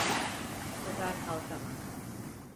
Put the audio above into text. Bu sefer kalkamaz.